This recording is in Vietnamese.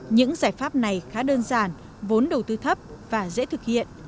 những giải pháp này khá đơn giản vốn đầu tư thấp và dễ thực hiện